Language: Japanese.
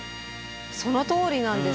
そのとおりなんです。